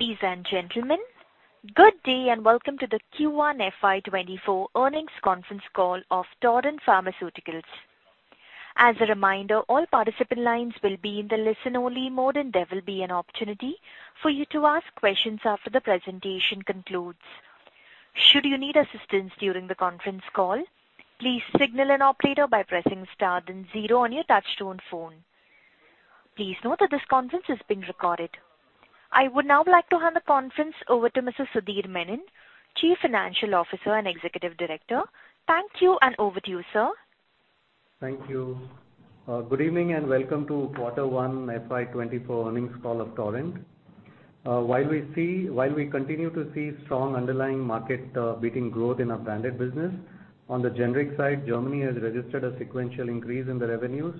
Ladies and gentlemen, good day, and welcome to the Q1 FY24 earnings conference call of Torrent Pharmaceuticals. As a reminder, all participant lines will be in the listen-only mode, and there will be an opportunity for you to ask questions after the presentation concludes. Should you need assistance during the conference call, please signal an operator by pressing star then 0 on your touchtone phone. Please note that this conference is being recorded. I would now like to hand the conference over to Mr. Sudhir Menon, Chief Financial Officer and Executive Director. Thank you. Over to you, sir. Thank you. Good evening, and welcome to Quarter One FY24 earnings call of Torrent. While we see-- While we continue to see strong underlying market beating growth in our branded business, on the generic side, Germany has registered a sequential increase in the revenues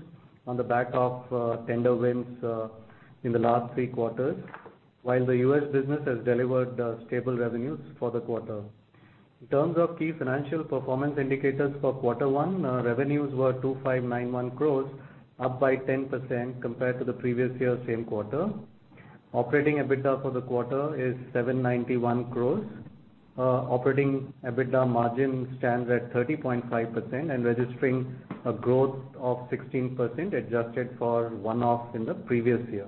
on the back of tender wins in the last three quarters, while the US business has delivered stable revenues for the quarter. In terms of key financial performance indicators for quarter one, revenues were 2,591 crores, up by 10% compared to the previous year, same quarter. Operating EBITDA for the quarter is 791 crores. Operating EBITDA margin stands at 30.5% and registering a growth of 16%, adjusted for one-off in the previous year.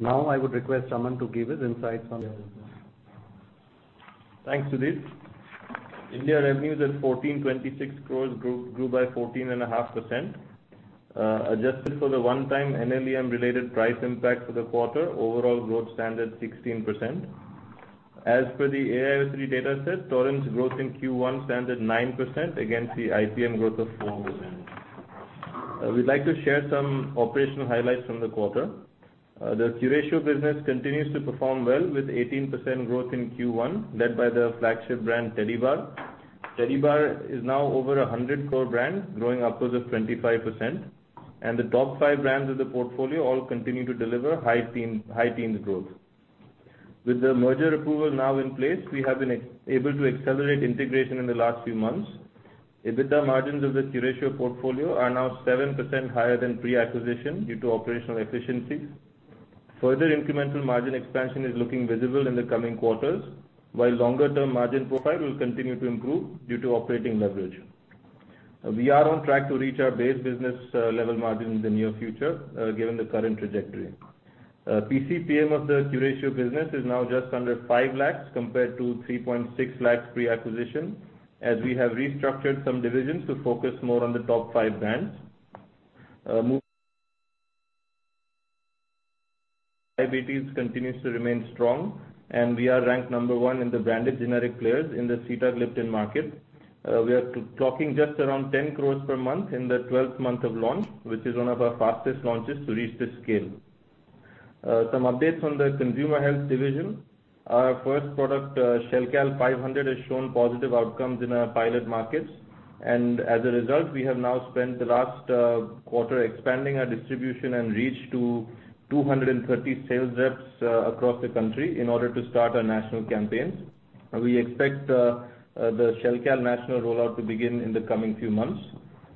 Now, I would request Aman to give his insights on the business. Thanks, Sudhir. India revenues at 1,426 crores grew, grew by 14.5%. Adjusted for the one-time NLEM-related price impact for the quarter, overall growth stands at 16%. As per the AIS3 dataset, Torrent's growth in Q1 stands at 9% against the IPM growth of 4%. We'd like to share some operational highlights from the quarter. The Curatio business continues to perform well, with 18% growth in Q1, led by the flagship brand, Tedibar. Tedibar is now over an 100 crore brand, growing upwards of 25%, and the top five brands of the portfolio all continue to deliver high teen, high teens growth. With the merger approval now in place, we have been able to accelerate integration in the last few months. EBITDA margins of the Curatio portfolio are now 7% higher than pre-acquisition due to operational efficiencies. Further incremental margin expansion is looking visible in the coming quarters, while longer-term margin profile will continue to improve due to operating leverage. We are on track to reach our base business level margin in the near future, given the current trajectory. PCPM of the Curatio business is now just under 5 lakhs compared to 3.6 lakhs pre-acquisition, as we have restructured some divisions to focus more on the top 5 brands. move continues to remain strong, and we are ranked number 1 in the branded generic players in the Sitagliptin market. We are talking just around 10 crores per month in the 12th month of launch, which is 1 of our fastest launches to reach this scale. Some updates on the consumer health division. Our first product, Shelcal 500, has shown positive outcomes in our pilot markets, and as a result, we have now spent the last quarter expanding our distribution and reach to 230 sales reps across the country in order to start our national campaigns. We expect the Shelcal national rollout to begin in the coming few months.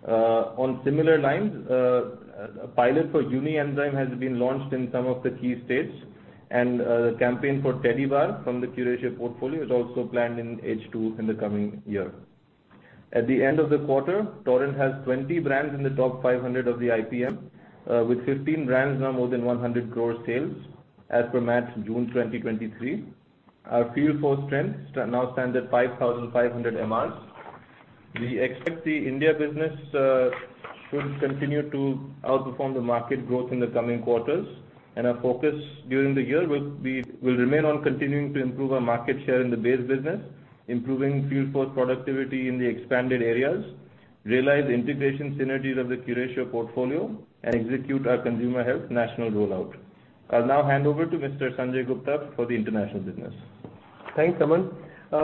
On similar lines, a pilot for Unienzyme has been launched in some of the key states, and the campaign for Tedibar from the Curatio portfolio is also planned in H2 in the coming year. At the end of the quarter, Torrent has 20 brands in the top 500 of the IPM, with 15 brands now more than 100 crore sales as per MAT June 2023. Our field force strength now stands at 5,500 MRs. We expect the India business should continue to outperform the market growth in the coming quarters. Our focus during the year will remain on continuing to improve our market share in the base business, improving field force productivity in the expanded areas, realize the integration synergies of the Curatio portfolio, and execute our consumer health national rollout. I'll now hand over to Mr. Sanjay Gupta for the international business. Thanks, Aman.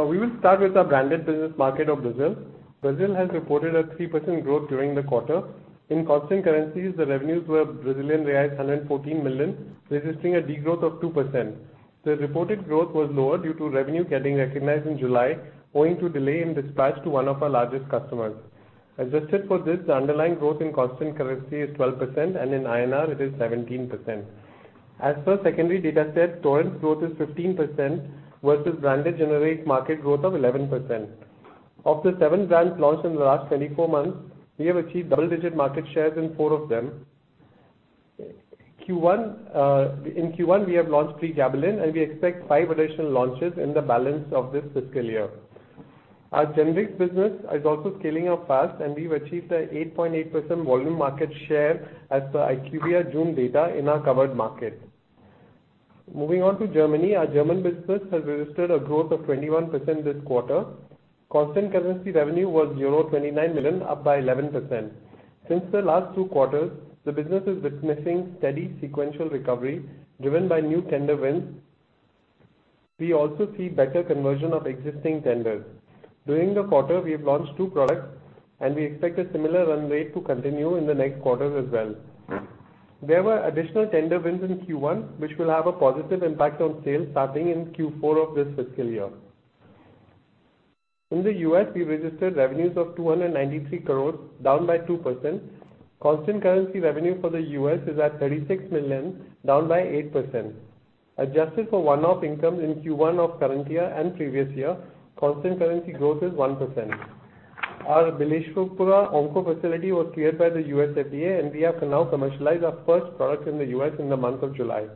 We will start with our branded business market of Brazil. Brazil has reported a 3% growth during the quarter. In constant currencies, the revenues were Brazilian reais 114 million, registering a Degrowth of 2%. The reported growth was lower due to revenue getting recognized in July, owing to delay in dispatch to one of our largest customers. Adjusted for this, the underlying growth in constant currency is 12%, and in INR, it is 17%. As per secondary dataset, Torrent's growth is 15% versus branded generic market growth of 11%. Of the 7 brands launched in the last 24 months, we have achieved double-digit market shares in 4 of them. In Q1, we have launched pregabalin, and we expect 5 additional launches in the balance of this fiscal year. Our generics business is also scaling up fast, and we've achieved an 8.8% volume market share as per IQVIA June data in our covered market. Moving on to Germany, our German business has registered a growth of 21% this quarter. Constant currency revenue was 29 million, up by 11%. Since the last 2 quarters, the business is witnessing steady sequential recovery driven by new tender wins. We also see better conversion of existing tenders. During the quarter, we've launched 2 products, and we expect a similar run rate to continue in the next quarter as well. There were additional tender wins in Q1, which will have a positive impact on sales starting in Q4 of this fiscal year. ...In the US, we registered revenues of 293 crores, down by 2%. Constant currency revenue for the US is at $36 million, down by 8%. Adjusted for 1-off income in Q1 of current year and previous year, constant currency growth is 1%. Our Bileshwarpura onco facility was cleared by the US FDA, and we have now commercialized our first product in the US in the month of July.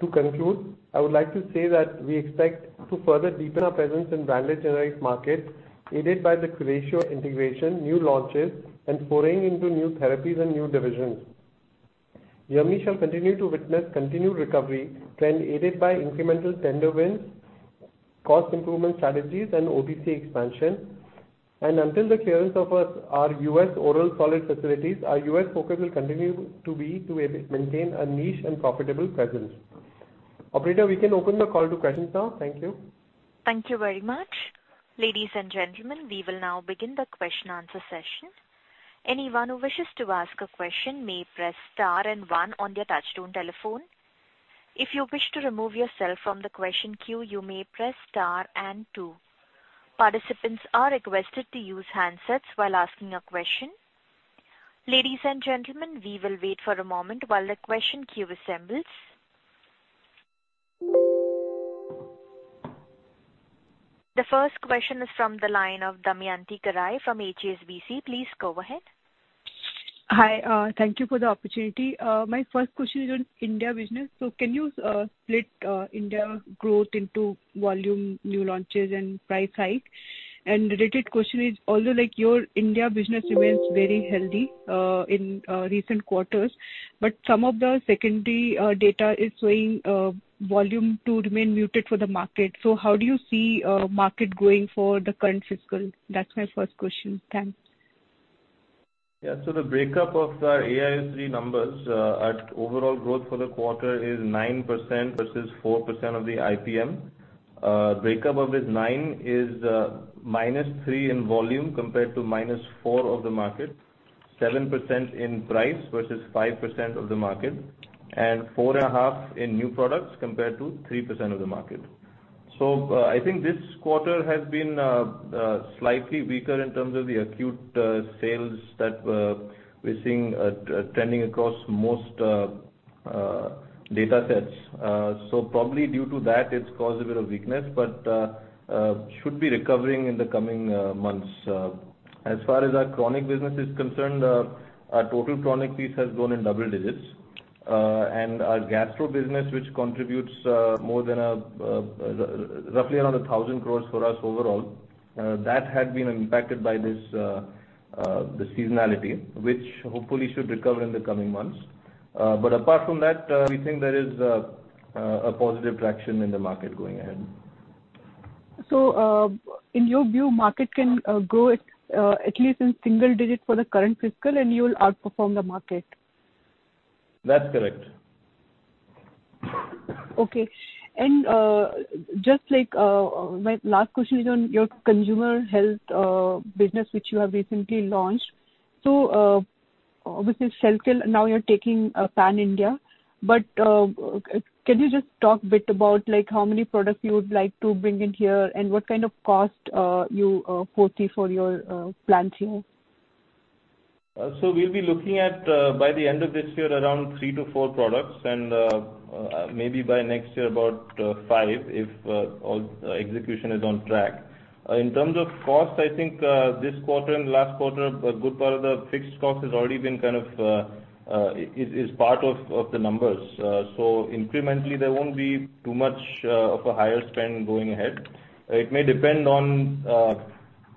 To conclude, I would like to say that we expect to further deepen our presence in branded generic market, aided by the Curatio integration, new launches, and foraying into new therapies and new divisions. Germany shall continue to witness continued recovery trend, aided by incremental tender wins, cost improvement strategies, and OTC expansion. Until the clearance of our, our US oral solid facilities, our US focus will continue to be to maintain a niche and profitable presence. Operator, we can open the call to questions now. Thank you. Thank you very much. Ladies and gentlemen, we will now begin the question-answer session. Anyone who wishes to ask a question may press star and one on their touchtone telephone. If you wish to remove yourself from the question queue, you may press star and two. Participants are requested to use handsets while asking a question. Ladies and gentlemen, we will wait for a moment while the question queue assembles. The first question is from the line of Damayanti Kerai from HSBC. Please go ahead. Hi, thank you for the opportunity. My first question is on India business. Can you split India growth into volume, new launches, and price hike? Related question is, although, like, your India business remains very healthy, in recent quarters, but some of the secondary data is showing volume to remain muted for the market. How do you see market going for the current fiscal? That's my first question. Thanks. The breakup of the AIOCD AWACS numbers at overall growth for the quarter is 9% versus 4% of the IPM. Breakup of this 9 is -3% in volume compared to -4% of the market, 7% in price versus 5% of the market, and 4.5% in new products, compared to 3% of the market. I think this quarter has been slightly weaker in terms of the acute sales that we're seeing trending across most data sets. Probably due to that, it's caused a bit of weakness, but should be recovering in the coming months. As far as our chronic business is concerned, our total chronic piece has grown in double digits. And our gastro business, which contributes, roughly around 1,000 crore for us overall, that had been impacted by this, the seasonality, which hopefully should recover in the coming months. But apart from that, we think there is a positive traction in the market going ahead. In your view, market can grow at at least in single digits for the current fiscal, and you will outperform the market? That's correct. Okay. Just like, my last question is on your consumer health business, which you have recently launched. Which is Shelcal, now you're taking pan-India, but can you just talk a bit about, like, how many products you would like to bring in here, and what kind of cost you foresee for your plans here? We'll be looking at, by the end of this year, around 3-4 products, and maybe by next year, about five, if all execution is on track. In terms of cost, I think, this quarter and last quarter, a good part of the fixed cost has already been kind of, is part of the numbers. Incrementally, there won't be too much of a higher spend going ahead. It may depend on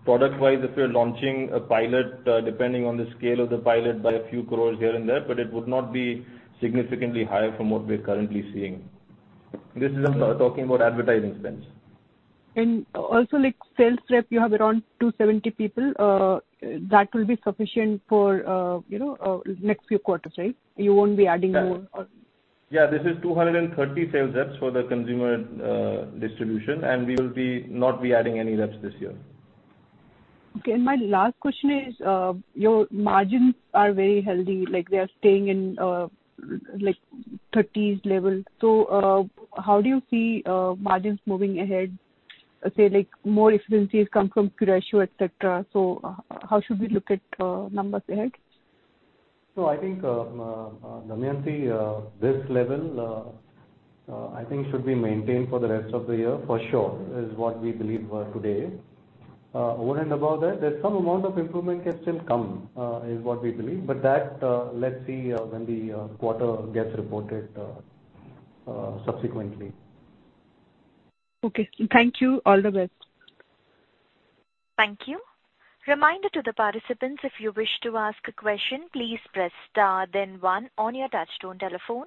product wise, if we're launching a pilot, depending on the scale of the pilot, by a few crores here and there, but it would not be significantly higher from what we're currently seeing. This is I'm talking about advertising spends. Also, like, sales rep, you have around 270 people, that will be sufficient for, you know, next few quarters, right? You won't be adding more? Yeah, this is 230 sales reps for the consumer, distribution, and we will not be adding any reps this year. Okay, my last question is, your margins are very healthy, like, they are staying in, like, 30s level. How do you see margins moving ahead? Say, like, more efficiencies come from Curatio, et cetera. How should we look at numbers ahead? I think, Damayanti, this level, I think should be maintained for the rest of the year, for sure, is what we believe, today. Over and above that, there's some amount of improvement can still come, is what we believe, but that, let's see, when the quarter gets reported, subsequently. Okay. Thank you. All the best. Thank you. Reminder to the participants, if you wish to ask a question, please press star then one on your touchtone telephone.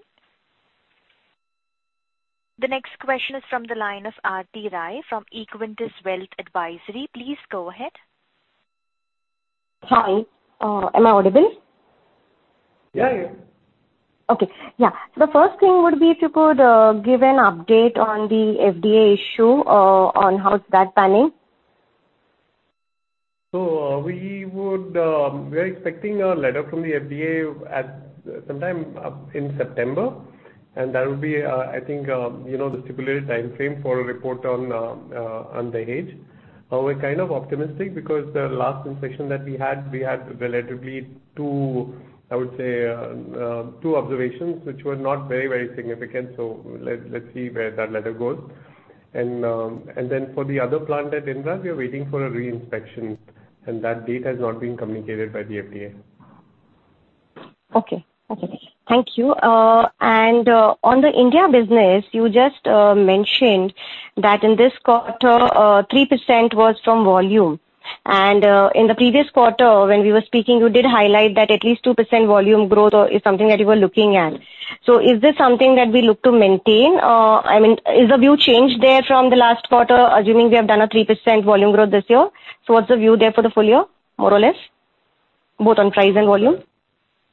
The next question is from the line of Aarti Rai from Equirus Wealth Advisory. Please go ahead. Hi, am I audible? Yeah, yeah. Okay. Yeah. The first thing would be if you could give an update on the FDA issue, on how's that planning? We would, we're expecting a letter from the FDA at sometime up in September, and that would be, I think, you know, the stipulated time frame for a report on the age. We're kind of optimistic because the last inspection that we had, we had relatively two, I would say, two observations, which were not very, very significant. Let's see where that letter goes. Then for the other plant at Indrad, we are waiting for a re-inspection, and that date has not been communicated by the FDA. Okay. Okay, thank you. On the India business, you just mentioned that in this quarter, 3% was from volume, in the previous quarter, when we were speaking, you did highlight that at least 2% volume growth is something that you were looking at. Is this something that we look to maintain? I mean, is the view changed there from the last quarter, assuming we have done a 3% volume growth this year? What's the view there for the full year, more or less, both on price and volume?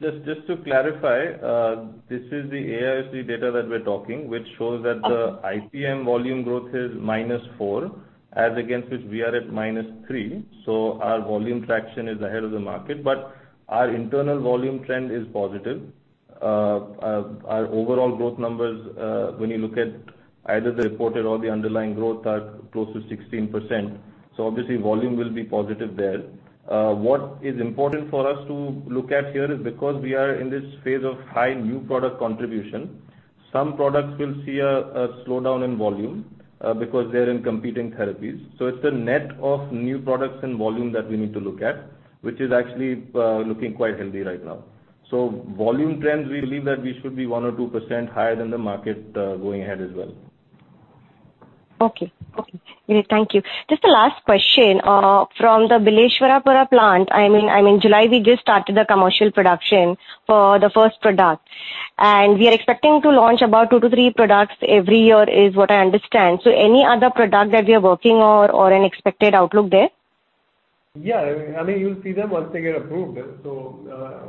Just, just to clarify, this is the AIOCD AWACS data that we're talking, which shows that- Okay. The IPM volume growth is -4%, as against which we are at -3%, so our volume traction is ahead of the market. Our internal volume trend is positive. Our overall growth numbers, when you look at either the reported or the underlying growth, are close to 16%, so obviously, volume will be positive there. What is important for us to look at here is because we are in this phase of high new product contribution, some products will see a slowdown in volume because they're in competing therapies. It's the net of new products and volume that we need to look at, which is actually looking quite healthy right now. Volume trends, we believe that we should be 1%-2% higher than the market going ahead as well. Okay. Okay, great, thank you. Just the last question, from the Bileshwarpura plant, I mean, I mean, July, we just started the commercial production for the first product, and we are expecting to launch about two to three products every year, is what I understand. Any other product that we are working on or an expected outlook there? Yeah. I mean, you'll see them once they get approved.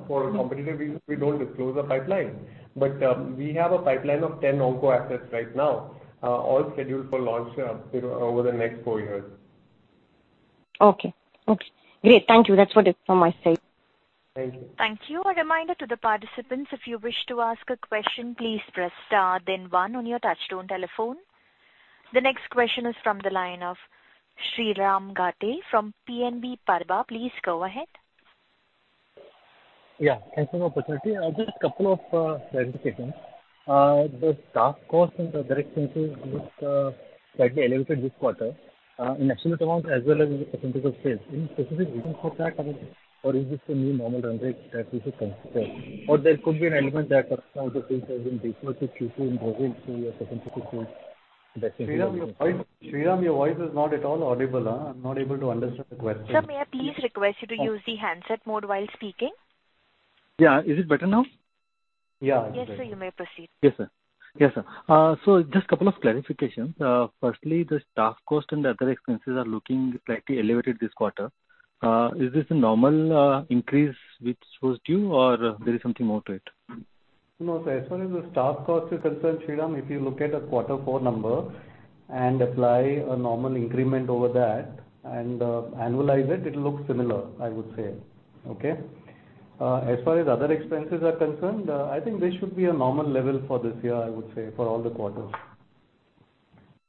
For competitive reasons, we don't disclose the pipeline. We have a pipeline of 10 onco assets right now, all scheduled for launch over the next four years. Okay. Okay, great. Thank you. That's what it from my side. Thank you. Thank you. A reminder to the participants, if you wish to ask a question, please press star then one on your touchtone telephone. The next question is from the line of Shriram Ghate from PNB Paribas. Please go ahead. Yeah, thanks for the opportunity. Just a couple of clarifications. The staff cost and the direct expenses was slightly elevated this quarter, in absolute amount as well as the percentage of sales. Any specific reason for that, or is this a new normal run rate that we should consider? Or there could be an element that comes into play has been delayed, so Q2 in moving to a percentage of sales? Shriram, your voice, Shriram, your voice is not at all audible. I'm not able to understand the question. Sir, may I please request you to use the handset mode while speaking? Yeah. Is it better now? Yeah. Yes, sir, you may proceed. Yes, sir. Yes, sir. Just 2 clarifications. Firstly, the staff cost and the other expenses are looking slightly elevated this quarter. Is this a normal increase which was due or there is something more to it? No, sir. As far as the staff cost is concerned, Shriram, if you look at a quarter four number and apply a normal increment over that and annualize it, it looks similar, I would say. Okay? As far as other expenses are concerned, I think they should be a normal level for this year, I would say, for all the quarters.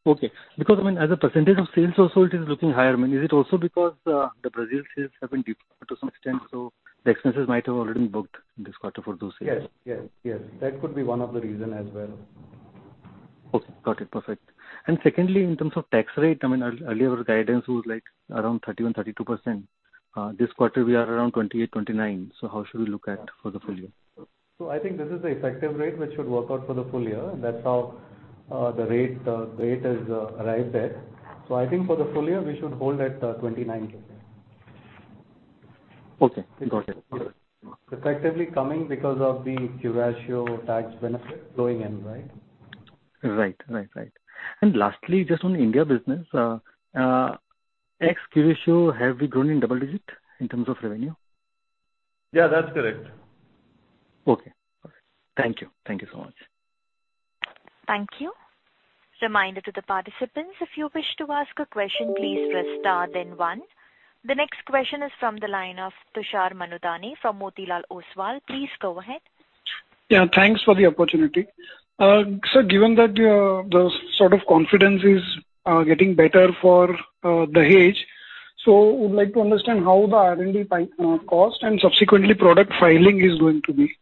Okay. Because, I mean, as a % of sales also, it is looking higher. I mean, is it also because, the Brazil sales have been deployed to some extent, so the expenses might have already been booked in this quarter for those sales? Yes, yes, yes. That could be one of the reason as well. Okay, got it. Perfect. Secondly, in terms of tax rate, I mean, earlier guidance was like around 31%-32%. This quarter, we are around 28%-29%. How should we look at for the full year? I think this is the effective rate which should work out for the full year, and that's how the rate rate has arrived at. I think for the full year, we should hold at 29%. Okay, got it. Effectively coming because of the Curatio tax benefit flowing in, right? Right. Right, right. Lastly, just on India business, ex-Curatio, have we grown in double digits in terms of revenue? Yeah, that's correct. Okay. Thank you. Thank you so much. Thank you. Reminder to the participants, if you wish to ask a question, please press star then one. The next question is from the line of Tushar Manudhane from Motilal Oswal. Please go ahead. Yeah, thanks for the opportunity. Given that, the sort of confidence is getting better for the age, would like to understand how the R&D cost and subsequently product filing is going to be.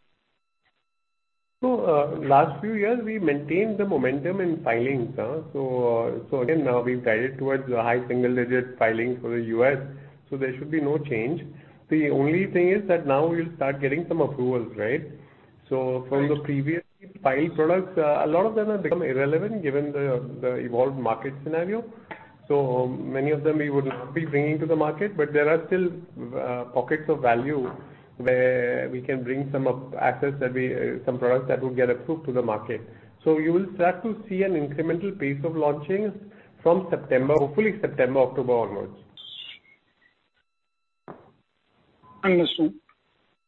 Last few years, we maintained the momentum in filings, again, now we've guided towards high single-digit filing for the US, so there should be no change. The only thing is that now we'll start getting some approvals, right? Right. From the previously filed products, a lot of them have become irrelevant given the, the evolved market scenario. Many of them we would not be bringing to the market, but there are still pockets of value where we can bring some of assets that we... some products that will get approved to the market. You will start to see an incremental pace of launching from September, hopefully September, October onwards....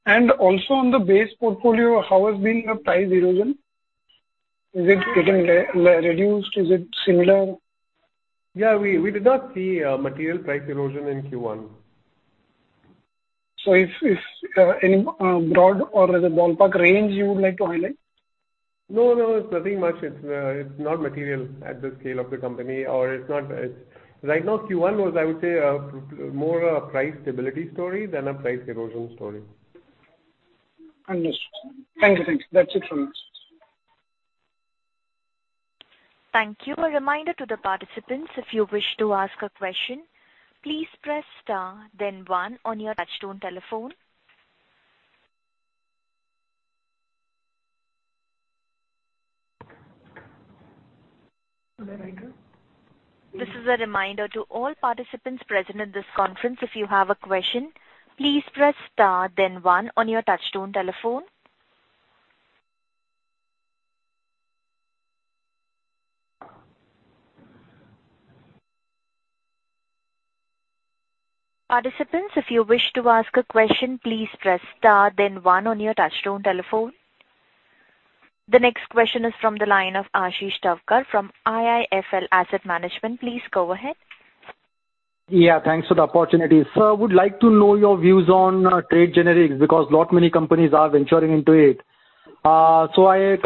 Understood. Also on the base portfolio, how has been the price erosion? Is it getting reduced? Is it similar? Yeah, we, we did not see material price erosion in Q1. If, if, any broad or as a ballpark range, you would like to highlight? No, no, it's nothing much. It's, it's not material at the scale of the company, or it's not... Right now, Q1 was, I would say, more a price stability story than a price erosion story. Understood. Thank you. Thank you. That's it from us. Thank you. A reminder to the participants, if you wish to ask a question, please press star then one on your touchtone telephone. This is a reminder to all participants present in this conference, if you have a question, please press star then one on your touchtone telephone. Participants, if you wish to ask a question, please press star then one on your touchtone telephone. The next question is from the line of Ashish Thavkar from IIFL Asset Management. Please go ahead. Yeah, thanks for the opportunity. Sir, I would like to know your views on trade generics, because lot many companies are venturing into it. I, it's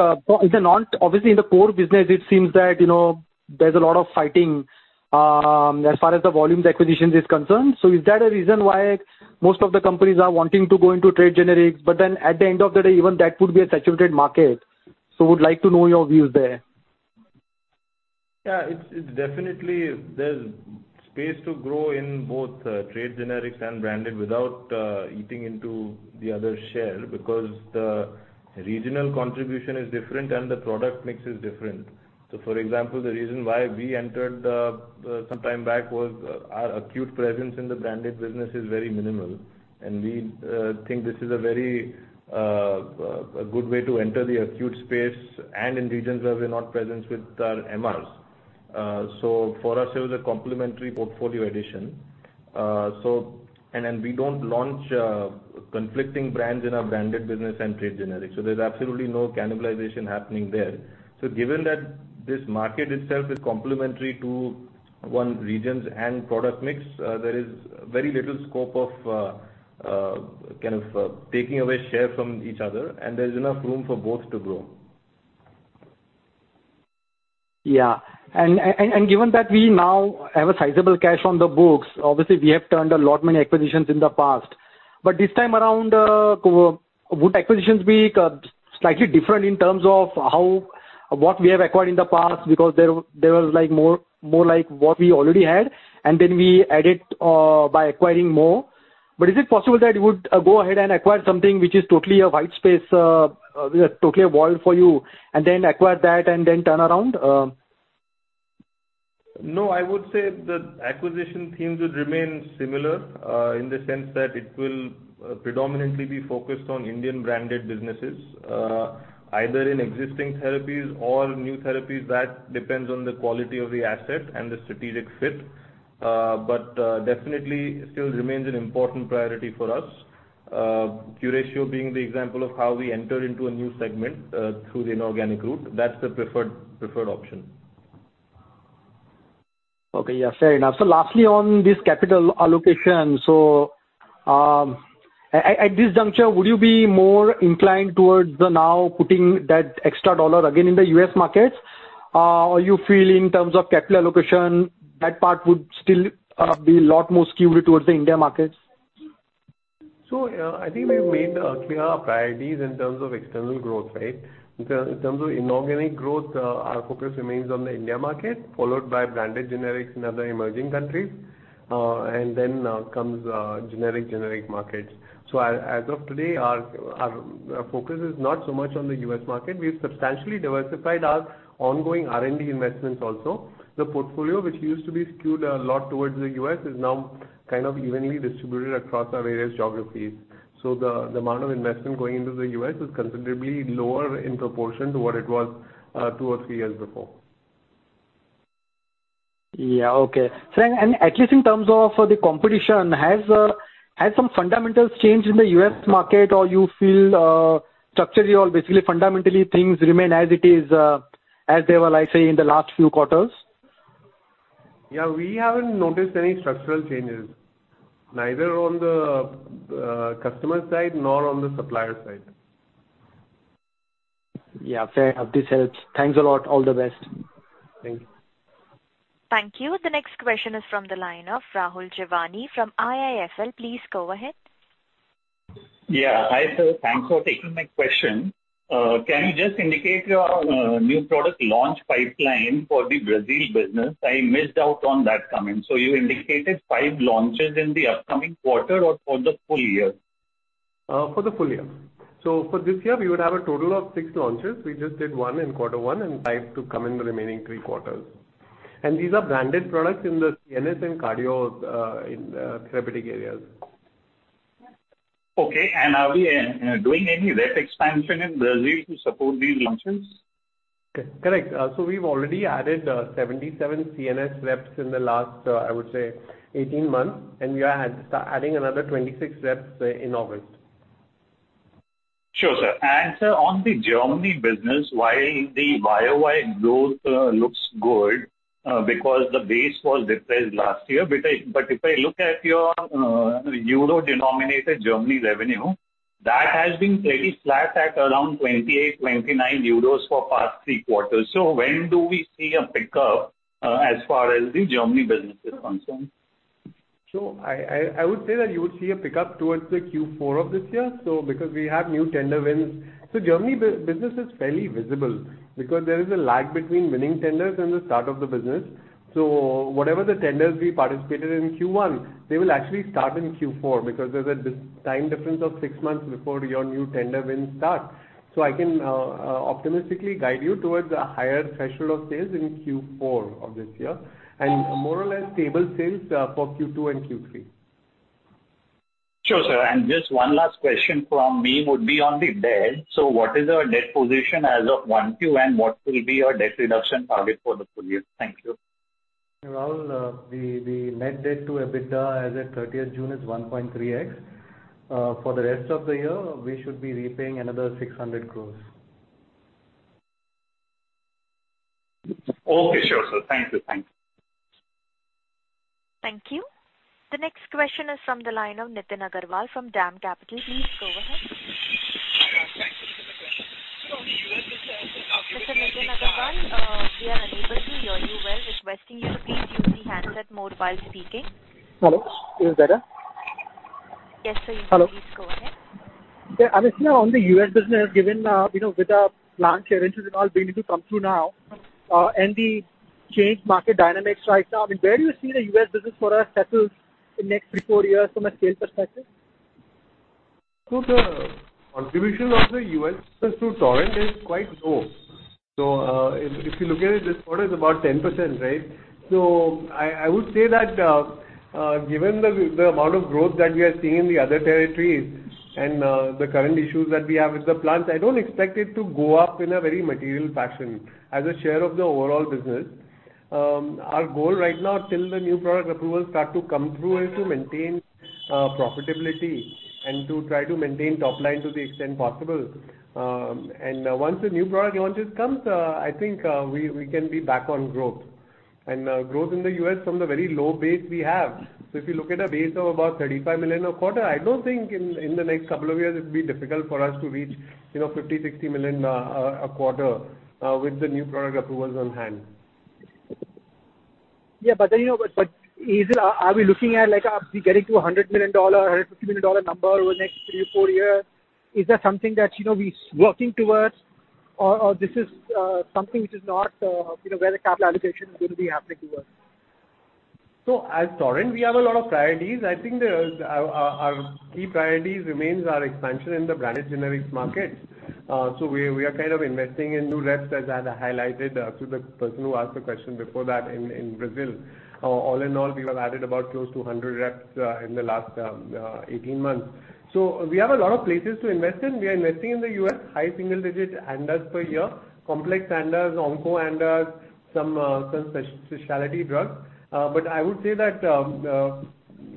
obviously, in the core business, it seems that, you know, there's a lot of fighting as far as the volume acquisitions is concerned. Is that a reason why most of the companies are wanting to go into trade generics? Then, at the end of the day, even that would be a saturated market. Would like to know your views there. Yeah, it's, it's definitely there's space to grow in both trade generics and branded without eating into the other share, because the regional contribution is different and the product mix is different. For example, the reason why we entered some time back was our acute presence in the branded business is very minimal, and we think this is a very good way to enter the acute space and in regions where we're not present with our MRs. For us, it was a complementary portfolio addition. We don't launch conflicting brands in our branded business and trade generics, there's absolutely no cannibalization happening there. Given that this market itself is complementary to one's regions and product mix, there is very little scope of, kind of, taking away share from each other, and there's enough room for both to grow. Yeah. Given that we now have a sizable cash on the books, obviously we have turned a lot many acquisitions in the past. This time around, would acquisitions be slightly different in terms of how, what we have acquired in the past? Because there, there was, like, more, more like what we already had, and then we added by acquiring more. Is it possible that you would go ahead and acquire something which is totally a white space, totally a void for you, and then acquire that and then turn around? No, I would say the acquisition themes would remain similar, in the sense that it will predominantly be focused on Indian branded businesses, either in existing therapies or new therapies. That depends on the quality of the asset and the strategic fit, but definitely still remains an important priority for us. Curatio being the example of how we enter into a new segment, through the inorganic route. That's the preferred, preferred option. Okay, yeah, fair enough. Lastly, on this capital allocation, at, at, at this juncture, would you be more inclined towards the now putting that extra dollar again in the US markets, or you feel in terms of capital allocation, that part would still be a lot more skewed towards the India markets? I think we've made clear our priorities in terms of external growth, right? In terms, in terms of inorganic growth, our focus remains on the India market, followed by branded generics in other emerging countries, and then comes generic markets. As of today, our focus is not so much on the U.S. market. We've substantially diversified our ongoing R&D investments also. The portfolio, which used to be skewed a lot towards the U.S., is now kind of evenly distributed across our various geographies. The amount of investment going into the U.S. is considerably lower in proportion to what it was two or three years before. Yeah, okay. And, and at least in terms of the competition, has, has some fundamentals changed in the US market? Or you feel, structurally or basically, fundamentally, things remain as it is, as they were, like, say, in the last few quarters? Yeah, we haven't noticed any structural changes, neither on the customer side nor on the supplier side. Yeah, fair enough, this helps. Thanks a lot. All the best. Thank you. Thank you. The next question is from the line of Rahul Jeewani from IIFL. Please go ahead. Yeah. Hi, sir, thanks for taking my question. Can you just indicate your new product launch pipeline for the Brazil business? I missed out on that comment. You indicated five launches in the upcoming quarter or for the full year? For the full year. For this year, we would have a total of 6 launches. We just did 1 in Quarter One and 5 to come in the remaining 3 quarters. These are branded products in the CNS and cardio, in therapeutic areas. Okay. Are we doing any wet expansion in Brazil to support these launches?... Correct. We've already added, 77 CNS reps in the last, I would say 18 months, and we are adding another 26 reps in August. Sure, sir. Sir, on the Germany business, while the YOY growth looks good because the base was depressed last year. But if I look at your euro-denominated Germany revenue, that has been pretty flat at around 28-29 euros for past three quarters. When do we see a pickup as far as the Germany business is concerned? I, I, I would say that you would see a pickup towards the Q4 of this year, because we have new tender wins. Germany business is fairly visible because there is a lag between winning tenders and the start of the business. Whatever the tenders we participated in Q1, they will actually start in Q4, because there's a time difference of six months before your new tender wins start. I can optimistically guide you towards a higher threshold of sales in Q4 of this year, and more or less stable sales for Q2 and Q3. Sure, sir. Just one last question from me would be on the debt. What is our debt position as of 1Q, and what will be your debt reduction target for the full year? Thank you. Rahul, the net debt to EBITDA as at 30th June is 1.3x. For the rest of the year, we should be repaying another 600 crores. Okay, sure, sir. Thank you. Thank you. Thank you. The next question is from the line of Nitin Agarwal, from Dam Capital. Please go ahead. Hi, thank you. Mr. Nitin Agarwal, we are unable to hear you well, requesting you to please use the handset mode while speaking. Hello, is this better? Yes, sir, you can. Hello. Please go ahead. Yeah, Amit, on the US business, given, you know, with the plant clearances and all beginning to come through now, and the changed market dynamics right now, I mean, where do you see the US business for us settles in next 3, 4 years from a scale perspective? The contribution of the U.S. business to Torrent is quite low. If, if you look at it, this quarter is about 10%, right? I, I would say that given the, the amount of growth that we are seeing in the other territories and the current issues that we have with the plants, I don't expect it to go up in a very material fashion as a share of the overall business. Our goal right now, till the new product approvals start to come through, is to maintain profitability and to try to maintain top line to the extent possible. Once the new product launches comes, I think we, we can be back on growth. Growth in the U.S. from the very low base we have. If you look at a base of about $35 million a quarter, I don't think in the next couple of years, it'll be difficult for us to reach, you know, $50 million-$60 million a quarter with the new product approvals on hand. But then, you know, but are we looking at, like, are we getting to a $100 million-$150 million number over the next 3-4 years? Is that something that, you know, we working towards, or this is something which is not, you know, where the capital allocation is going to be happening to us? At Torrent, we have a lot of priorities. I think the, our, our key priorities remains our expansion in the branded generics market. we, we are kind of investing in new reps, as I had highlighted, to the person who asked the question before that in, in Brazil. All in all, we have added about close to 100 reps in the last 18 months. We have a lot of places to invest in. We are investing in the US, high single digit ANDAs per year, complex ANDAs, onco ANDAs, some speciality drugs. But I would say that,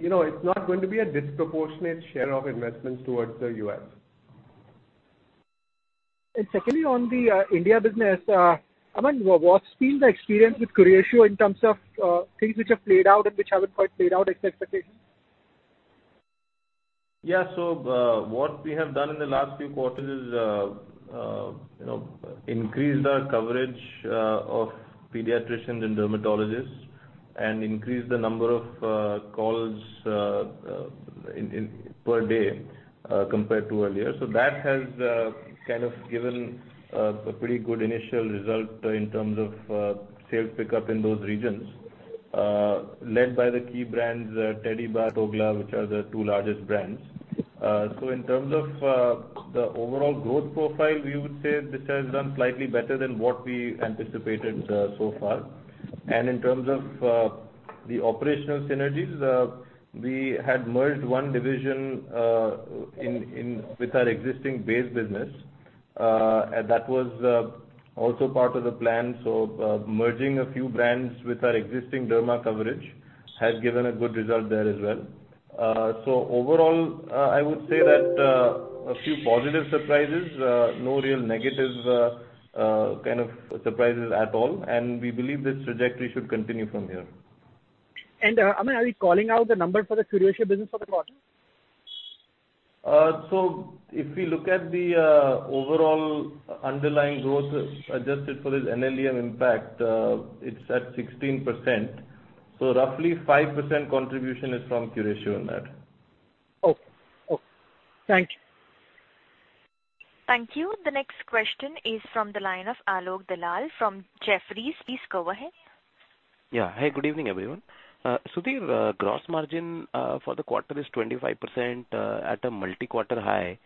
you know, it's not going to be a disproportionate share of investment towards the US. Secondly, on the India business, I mean, what's been the experience with Curatio in terms of things which have played out and which haven't quite played out as per expectations? What we have done in the last few quarters is, you know, increased our coverage of pediatricians and dermatologists and increased the number of calls in per day compared to earlier. That has kind of given a pretty good initial result in terms of sales pickup in those regions, led by the key brands, Tedibar, Ogla, which are the two largest brands. In terms of the overall growth profile, we would say this has done slightly better than what we anticipated so far. In terms of the operational synergies, we had merged one division in with our existing base business. That was also part of the plan. Merging a few brands with our existing derma coverage has given a good result there as well. Overall, I would say that a few positive surprises, no real negative kind of surprises at all, and we believe this trajectory should continue from here. Amit, are we calling out the number for the Curatio business for the quarter? If we look at the overall underlying growth adjusted for the NLEM impact, it's at 16%. Roughly 5% contribution is from Curatio on that. Okay. Okay. Thank you. Thank you. The next question is from the line of Alok Dalal, from Jefferies. Please go ahead. Yeah. Hey, good evening, everyone. The gross margin for the quarter is 25% at a multi-quarter high.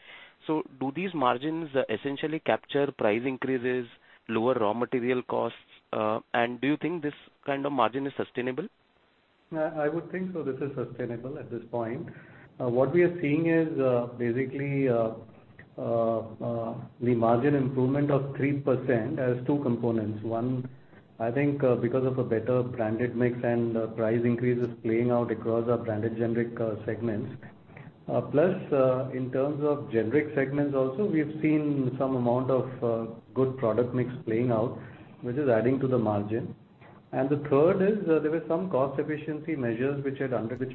Do these margins essentially capture price increases, lower raw material costs? Do you think this kind of margin is sustainable? Yeah, I would think so, this is sustainable at this point. What we are seeing is, basically, the margin improvement of 3% has two components. One, I think, because of a better branded mix and price increases playing out across our branded generic segments. Plus, in terms of generic segments also, we've seen some amount of good product mix playing out, which is adding to the margin. The third is, there were some cost efficiency measures which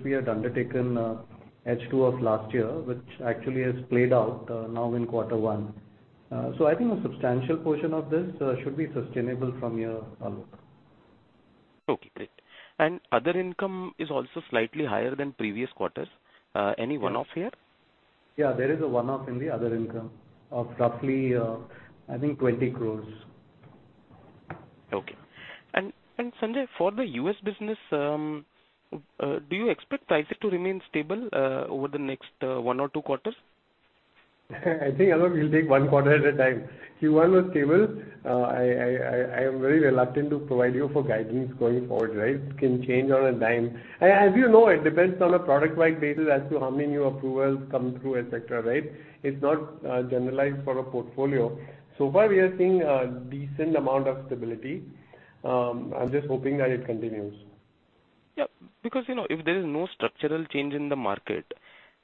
we had undertaken, H2 of last year, which actually has played out, now in quarter one. So I think a substantial portion of this, should be sustainable from here, Alok. Okay, great. Other income is also slightly higher than previous quarters. Any one-off here? Yeah, there is a one-off in the other income of roughly, I think 20 crores. Okay. Sanjay, for the US business, do you expect prices to remain stable over the next one or two quarters? I think, Alok, we'll take one quarter at a time. Q1 was stable. I, I, I, I am very reluctant to provide you for guidance going forward, right? It can change on a dime. As you know, it depends on a product-wide basis as to how many new approvals come through, et cetera, right? It's not generalized for a portfolio. So far, we are seeing a decent amount of stability. I'm just hoping that it continues. Yeah, because, you know, if there is no structural change in the market,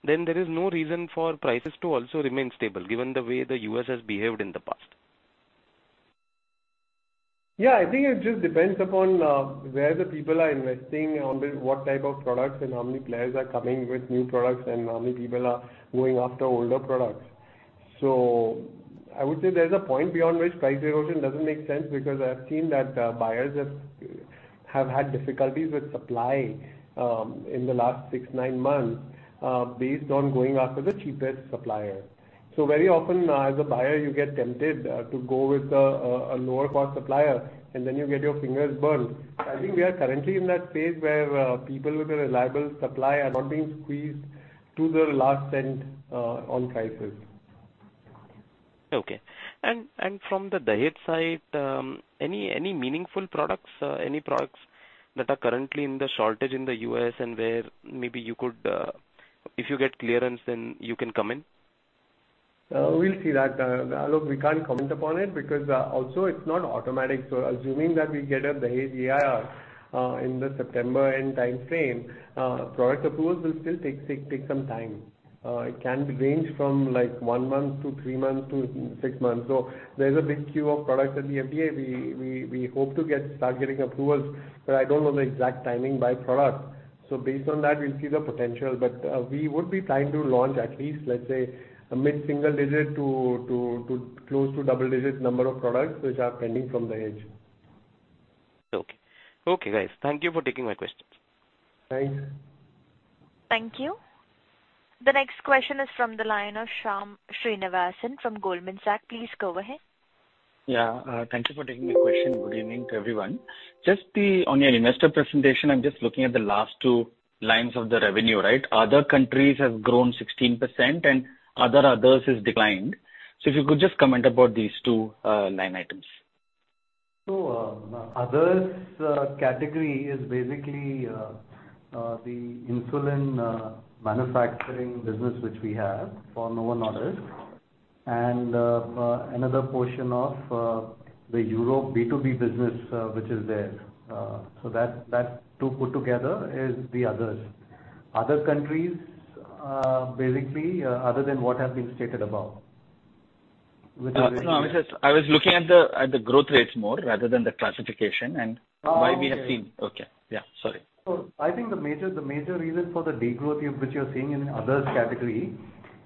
then there is no reason for prices to also remain stable, given the way the US has behaved in the past. Yeah, I think it just depends upon where the people are investing, on the what type of products, and how many players are coming with new products, and how many people are going after older products. I would say there's a point beyond which price erosion doesn't make sense, because I've seen that buyers have had difficulties with supply in the last 6, 9 months, based on going after the cheapest supplier. Very often, as a buyer, you get tempted to go with a lower-cost supplier, and then you get your fingers burned. I think we are currently in that phase where people with a reliable supply are not being squeezed to the last cent on prices. Okay. And from the Dahej side, any, any meaningful products, any products that are currently in the shortage in the US, and where maybe you could, if you get clearance, then you can come in? We'll see that. Alok, we can't comment upon it, because also it's not automatic. Assuming that we get a Dahej EIR in the September end timeframe, product approvals will still take some time. It can range from, like, one month to three months to six months. There's a big queue of products at the FDA. We hope to start getting approvals, but I don't know the exact timing by product. Based on that, we'll see the potential, but we would be trying to launch at least, let's say, a mid-single digit to close to double-digit number of products which are pending from Dahej. Okay. Okay, guys. Thank you for taking my questions. Thanks. Thank you. The next question is from the line of Shyam Srinivasan from Goldman Sachs. Please go ahead. Yeah, thank you for taking my question. Good evening to everyone. Just the, on your investor presentation, I'm just looking at the last two lines of the revenue, right? Other countries have grown 16%, and other others has declined. If you could just comment about these two, line items. Others, category is basically, the insulin manufacturing business, which we have for Novo Nordisk, and another portion of the Europe B2B business, which is there. That, that two put together is the others. Other countries, basically, other than what have been stated above, which are. No, I was looking at the growth rates more rather than the classification. Oh, okay. why we have seen... Okay. Yeah, sorry. I think the major, the major reason for the degrowth you, which you're seeing in others category,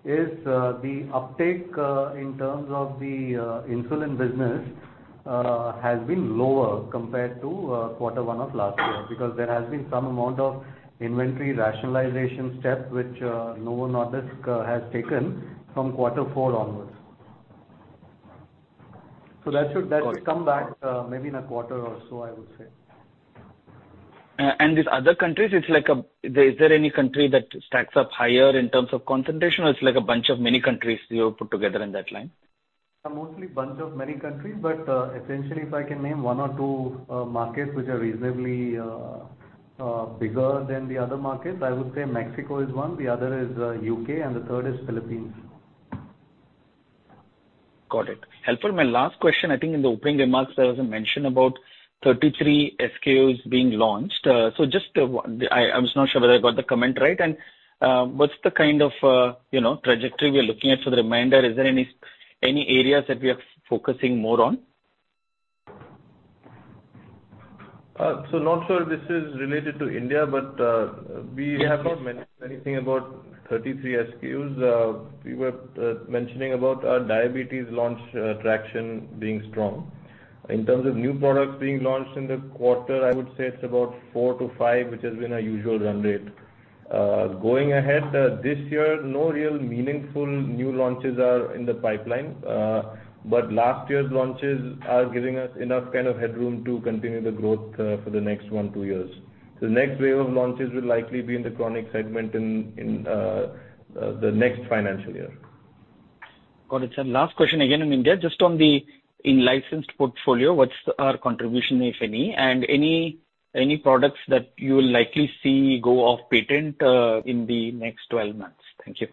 is the uptake in terms of the insulin business has been lower compared to quarter one of last year. Because there has been some amount of inventory rationalization step, which Novo Nordisk has taken from quarter four onwards. That should. Got it. That should come back, maybe in a quarter or so, I would say. These other countries, it's like a... Is there any country that stacks up higher in terms of concentration, or it's like a bunch of many countries you have put together in that line? Mostly bunch of many countries, but, essentially, if I can name one or two markets which are reasonably bigger than the other markets, I would say Mexico is one, the other is U.K., and the third is Philippines. Got it. Helpful. My last question, I think in the opening remarks, there was a mention about 33 SKUs being launched. Just, I, I was not sure whether I got the comment right. What's the kind of, you know, trajectory we are looking at for the remainder? Is there any, any areas that we are focusing more on? Not sure this is related to India, but. Yeah. have not mentioned anything about 33 SKUs. We were mentioning about our diabetes launch, traction being strong. In terms of new products being launched in the quarter, I would say it's about 4 to 5, which has been our usual run rate. Going ahead, this year, no real meaningful new launches are in the pipeline, but last year's launches are giving us enough kind of headroom to continue the growth for the next 1, 2 years. The next wave of launches will likely be in the chronic segment in the next financial year.... Got it, sir. Last question again in India, just on the in-licensed portfolio, what's our contribution, if any, and any, any products that you will likely see go off patent, in the next 12 months? Thank you.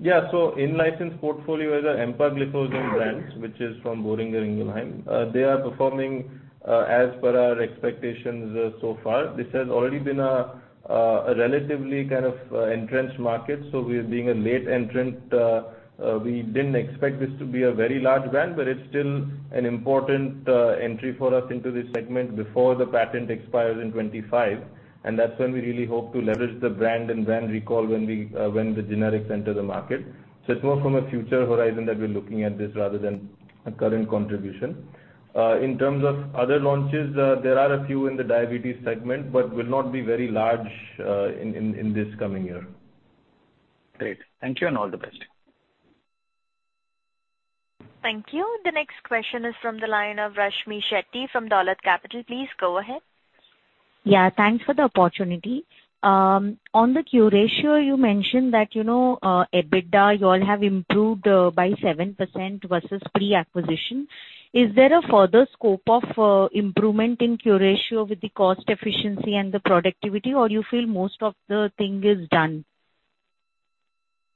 Yeah. In-license portfolio as a empagliflozin brand, which is from Boehringer Ingelheim, they are performing as per our expectations so far. This has already been a relatively kind of entrenched market, so we are being a late entrant. We didn't expect this to be a very large brand, but it's still an important entry for us into this segment before the patent expires in 2025, and that's when we really hope to leverage the brand and brand recall when we when the generics enter the market. It's more from a future horizon that we're looking at this, rather than a current contribution. In terms of other launches, there are a few in the diabetes segment, but will not be very large in this coming year. Great. Thank you, and all the best. Thank you. The next question is from the line of Rashmi Shetty from Dolat Capital. Please go ahead. Yeah, thanks for the opportunity. On the Curatio, you mentioned that, you know, EBITDA, you all have improved by 7% versus pre-acquisition. Is there a further scope of improvement in Curatio with the cost efficiency and the productivity, or you feel most of the thing is done?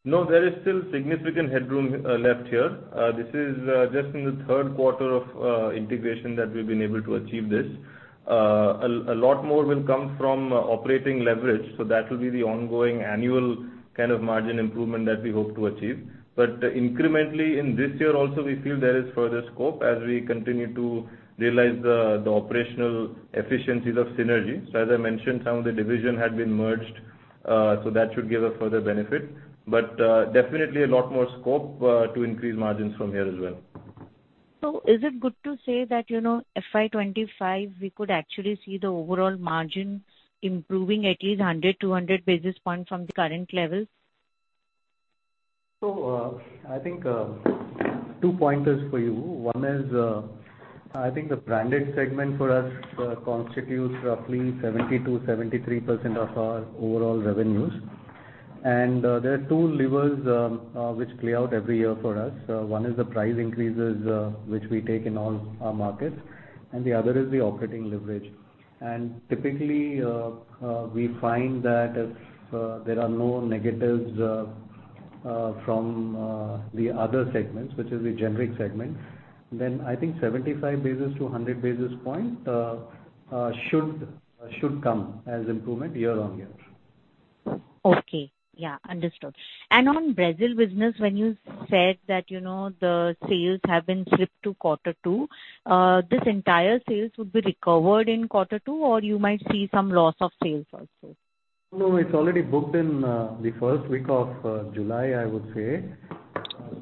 No, there is still significant headroom left here. This is just in the third quarter of integration that we've been able to achieve this. A lot more will come from operating leverage, that will be the ongoing annual kind of margin improvement that we hope to achieve. Incrementally in this year also, we feel there is further scope as we continue to realize the operational efficiencies of synergies. As I mentioned, some of the division had been merged, so that should give a further benefit. Definitely a lot more scope to increase margins from here as well. Is it good to say that, you know, FY25, we could actually see the overall margin improving at least 100-200 basis points from the current levels? So, uh, I think, uh, two pointers for you. One is, uh, I think the branded segment for us, uh, constitutes roughly seventy-two, seventy-three percent of our overall revenues. And, uh, there are two levers, um, uh, which play out every year for us. Uh, one is the price increases, uh, which we take in all our markets, and the other is the operating leverage. And typically, uh, uh, we find that if, uh, there are no negatives, uh, uh, from, uh, the other segments, which is the generic segment, then I think seventy-five basis to hundred basis points, uh, uh, should, should come as improvement year on year. Okay. Yeah, understood. On Brazil business, when you said that, you know, the sales have been slipped to quarter two, this entire sales would be recovered in quarter two, or you might see some loss of sales also? No, it's already booked in, the first week of July, I would say.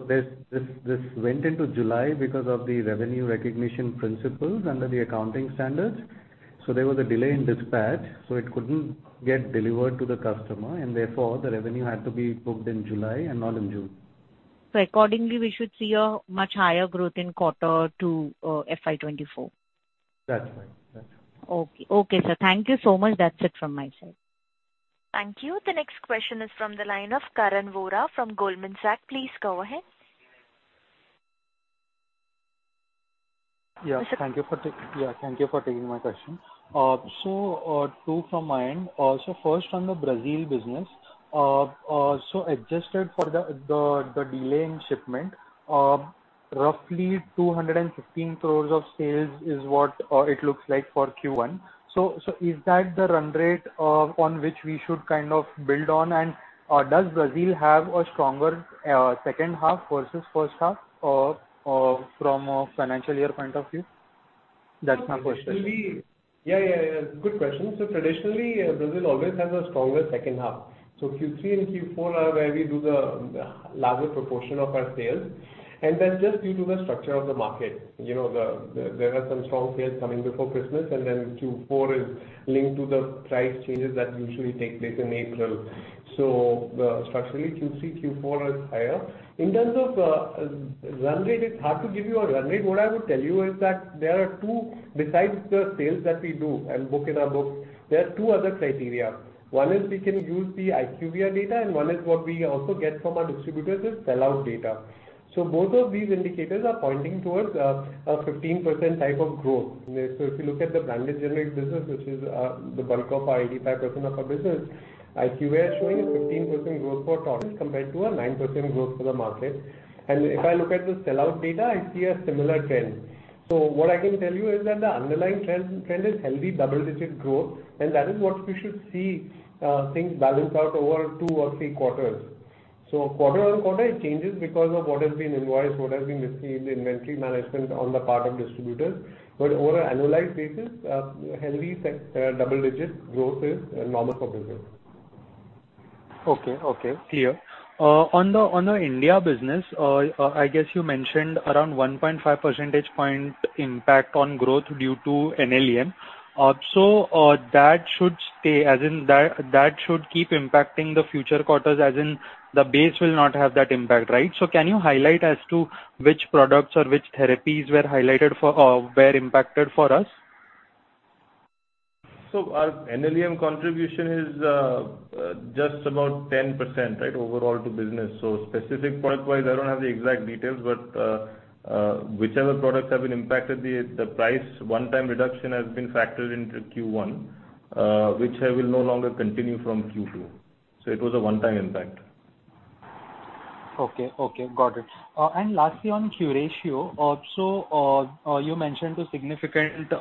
This, this, this went into July because of the revenue recognition principles under the accounting standards. There was a delay in dispatch, so it couldn't get delivered to the customer, and therefore, the revenue had to be booked in July and not in June. Accordingly, we should see a much higher growth in quarter two, FY24? That's right. That's right. Okay. Okay, sir. Thank you so much. That's it from my side. Thank you. The next question is from the line of Karan Vora from Goldman Sachs. Please go ahead. Yeah, thank you for taking my question. Two from my end. First on the Brazil business. Adjusted for the delay in shipment, roughly 215 crores of sales is what it looks like for Q1. Is that the run rate on which we should kind of build on? Does Brazil have a stronger second half versus first half from a financial year point of view? That's my first question. Yeah, yeah, yeah. Good question. Traditionally, Brazil always has a stronger second half. Q3 and Q4 are where we do the larger proportion of our sales, and that's just due to the structure of the market. You know, the there are some strong sales coming before Christmas, and then Q4 is linked to the price changes that usually take place in April. Structurally, Q3, Q4 is higher. In terms of run rate, it's hard to give you a run rate. What I would tell you is that besides the sales that we do and book in our books, there are two other criteria. One is we can use the IQVIA data, and one is what we also get from our distributors, is sell out data. Both of these indicators are pointing towards a 15% type of growth. If you look at the branded generic business, which is the bulk of our, 85% of our business, IQVIA is showing a 15% growth for Total compared to a 9% growth for the market. If I look at the sell out data, I see a similar trend. What I can tell you is that the underlying trend, trend is healthy double-digit growth, and that is what we should see things balance out over two or three quarters. Quarter on quarter, it changes because of what has been invoiced, what has been received, the inventory management on the part of distributors. Over an annualized basis, healthy double-digit growth is normal for business. Okay. Okay, clear. on the, on the India business, I guess you mentioned around 1.5 percentage point impact on growth due to NLEM. that should stay, as in that, that should keep impacting the future quarters, as in the base will not have that impact, right? Can you highlight as to which products or which therapies were highlighted for, were impacted for us? Our NLEM contribution is just about 10%, right, overall to business. Specific product-wise, I don't have the exact details, but whichever products have been impacted, the price one-time reduction has been factored into Q1, which I will no longer continue from Q2. It was a one-time impact. Okay. Okay, got it. And lastly, on Curatio, also, you mentioned the significant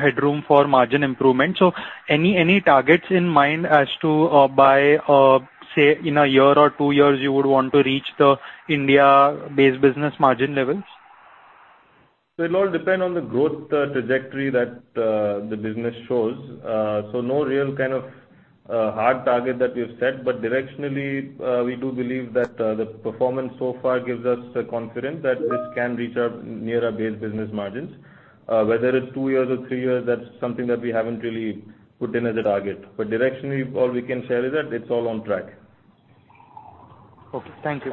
headroom for margin improvement. Any, any targets in mind as to, by, say, in one year or two years, you would want to reach the India base business margin levels? It all depend on the growth trajectory that the business shows. No real kind of hard target that we have set, but directionally, we do believe that the performance so far gives us the confidence that this can reach up near our base business margins. Whether it's two years or three years, that's something that we haven't really put in as a target. Directionally, all we can share is that it's all on track. Okay, thank you.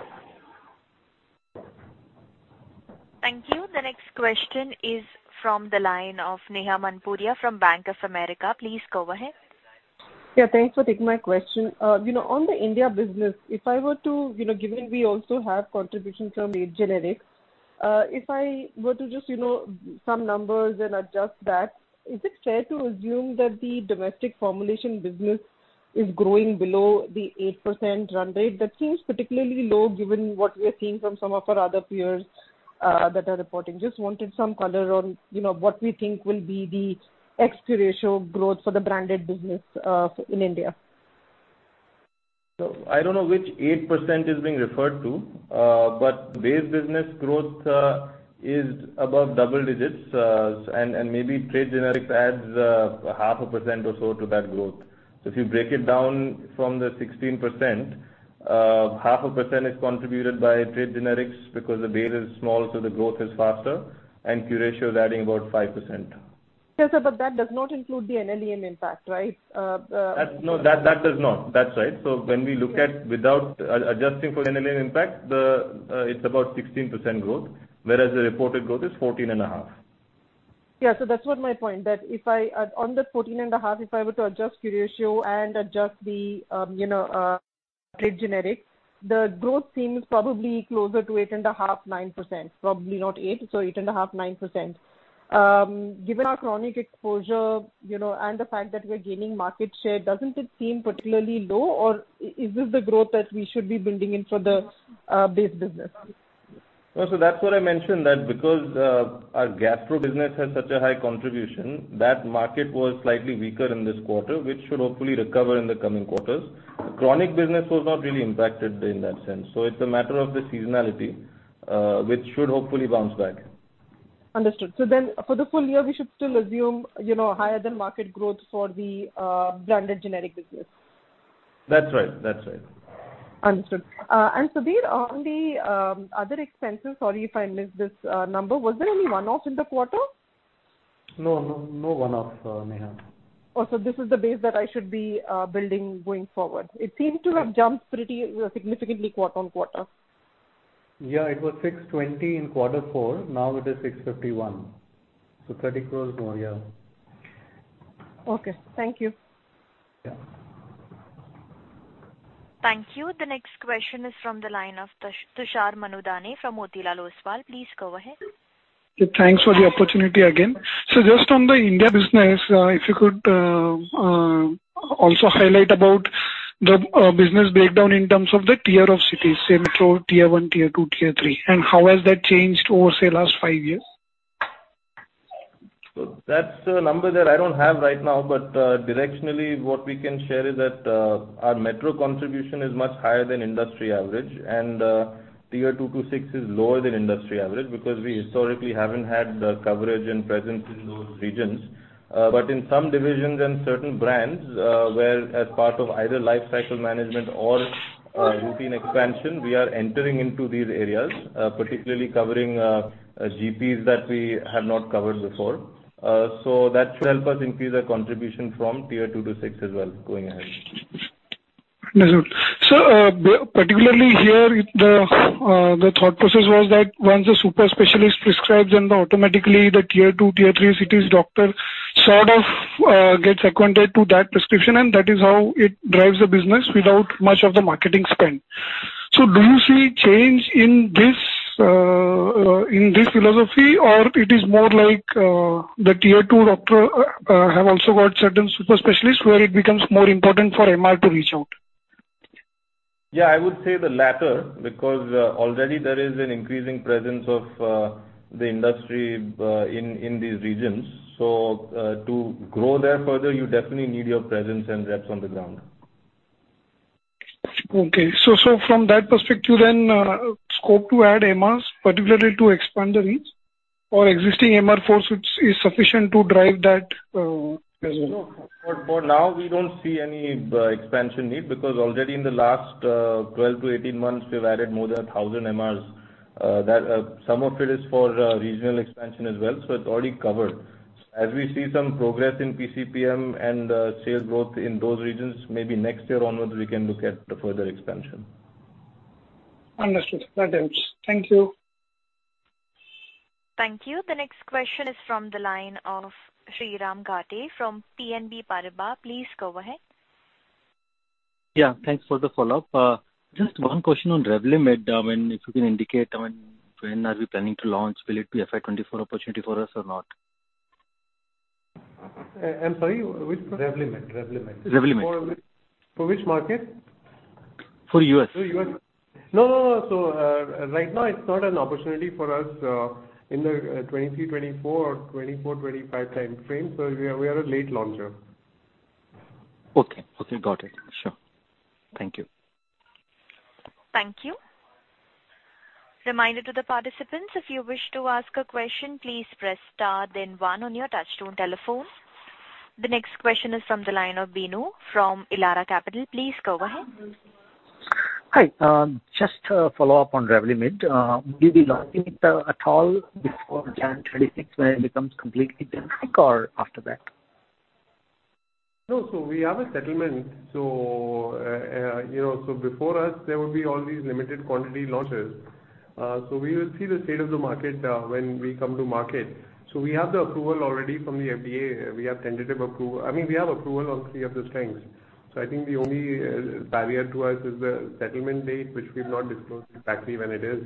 Thank you. The next question is from the line of Neha Manpuria from Bank of America. Please go ahead. Yeah, thanks for taking my question. You know, on the India business, if I were to, you know, given we also have contribution from Aid Generics, if I were to just, you know, some numbers and adjust that, is it fair to assume that the domestic formulation business is growing below the 8% run rate? That seems particularly low, given what we are seeing from some of our other peers, that are reporting. Just wanted some color on, you know, what we think will be the X to ratio growth for the branded business in India. I don't know which 8% is being referred to, but base business growth is above double digits. Maybe trade generics adds 0.5% or so to that growth. If you break it down from the 16%, 0.5% is contributed by trade generics because the base is small, so the growth is faster, and Curatio is adding about 5%. Yes, sir, but that does not include the NLEM impact, right? That's. No, that does not. That's right. When we look at without adjusting for NLEM impact, the, it's about 16% growth, whereas the reported growth is 14.5%. Yeah. That was my point, that if I, on the 14.5, if I were to adjust Curatio and adjust the, you know, trade generic, the growth seems probably closer to 8.5%-9%. Probably not 8, so 8.5%-9%. Given our chronic exposure, you know, and the fact that we're gaining market share, doesn't it seem particularly low, or is this the growth that we should be building in for the base business? No, that's what I mentioned, that because, our gastro business has such a high contribution, that market was slightly weaker in this quarter, which should hopefully recover in the coming quarters. The chronic business was not really impacted in that sense, so it's a matter of the seasonality, which should hopefully bounce back. Understood. Then for the full year, we should still assume, you know, higher than market growth for the branded generic business? That's right, that's right. Understood. Sudhir, on the other expenses, sorry if I missed this number, was there any one-off in the quarter? No, no, no one-off, Neha. Oh, this is the base that I should be building going forward. Right. It seems to have jumped pretty significantly quarter-on-quarter. Yeah, it was 620 in Q4, now it is 651. 30 crores more, yeah. Okay, thank you. Yeah. Thank you. The next question is from the line of Tushar Manudane from Motilal Oswal. Please go ahead. Thanks for the opportunity again. Just on the India business, if you could also highlight about the business breakdown in terms of the tier of cities, say metro, tier one, tier two, tier three, and how has that changed over, say, last five years? That's a number that I don't have right now, but, directionally, what we can share is that, our metro contribution is much higher than industry average, and, tier 2 to 6 is lower than industry average because we historically haven't had the coverage and presence in those regions. But in some divisions and certain brands, where as part of either life cycle management or, routine expansion, we are entering into these areas, particularly covering, GPs that we have not covered before. That should help us increase our contribution from tier 2 to 6 as well going ahead. Understood. Particularly here, the thought process was that once the super specialist prescribes and automatically the tier two, tier three cities doctor sort of gets acquainted to that prescription, and that is how it drives the business without much of the marketing spend. Do you see change in this philosophy, or it is more like the tier two doctor have also got certain super specialists where it becomes more important for MR to reach out? Yeah, I would say the latter, because, already there is an increasing presence of, the industry, in, in these regions. To grow there further, you definitely need your presence and reps on the ground. Okay. So, from that perspective, then, scope to add MRs, particularly to expand the reach, or existing MR force, which is sufficient to drive that business? For, for now, we don't see any expansion need, because already in the last 12-18 months, we've added more than 1,000 MRs. That some of it is for regional expansion as well, so it's already covered. As we see some progress in PCPM and sales growth in those regions, maybe next year onwards, we can look at the further expansion. Understood. That helps. Thank you. Thank you. The next question is from the line of Shriram Ghate from BNP Paribas. Please go ahead. Yeah, thanks for the follow-up. Just 1 question on Revlimid, I mean, when are we planning to launch? Will it be FY24 opportunity for us or not? I, I'm sorry, which product? Revlimid, Revlimid. Revlimid. For which market? For U.S. For US. No, no, no. Right now, it's not an opportunity for us, in the 2023, 2024 or 2024, 2025 time frame. We are, we are a late launcher. Okay. Okay, got it. Sure. Thank you. Thank you. Reminder to the participants, if you wish to ask a question, please press star then 1 on your touch-tone telephone. The next question is from the line of Binu from Elara Capital. Please go ahead. Hi. Just a follow-up on Revlimid. Will you be launching it at all before January twenty-sixth, when it becomes completely generic or after that? We have a settlement. You know, so before us, there will be all these limited quantity launches. So we will see the state of the market when we come to market. We have the approval already from the FDA. We have tentative approval. I mean, we have approval on three of the strengths. I think the only barrier to us is the settlement date, which we've not disclosed exactly when it is.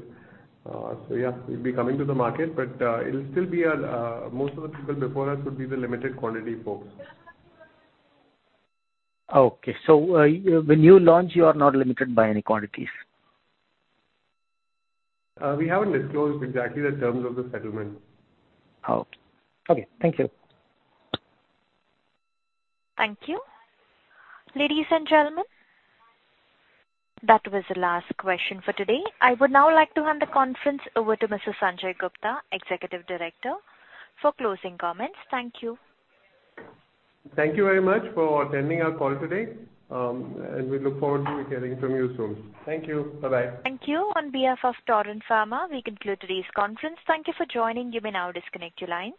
Yeah, we'll be coming to the market, but it'll still be most of the people before us would be the limited quantity folks. Okay. When you launch, you are not limited by any quantities? We haven't disclosed exactly the terms of the settlement. Oh, okay. Thank you. Thank you. Ladies and gentlemen, that was the last question for today. I would now like to hand the conference over to Mr. Sanjay Gupta, Executive Director, for closing comments. Thank you. Thank you very much for attending our call today. We look forward to hearing from you soon. Thank you. Bye-bye. Thank you. On behalf of Torrent Pharma, we conclude today's conference. Thank you for joining. You may now disconnect your lines.